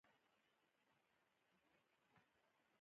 انګلیسي د تعلیمي سیالیو برخه ده